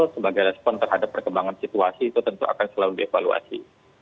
meskipun terhadap perkembangan situasi itu tentu akan selalu dievaluasi